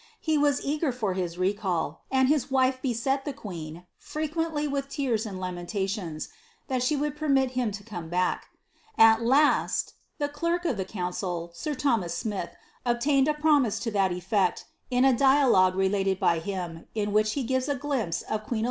He was eager for his recall, and his wife beset the queen, frequently with teare and lamentations, that she would permit him to come back. At last the clerk of the council, sir Thomas Smith, obtained a promise to that efleci, in a dialogue related by him, in which he gives a glimpse of ' Depeches de la Moihe Fenelon, vol. v.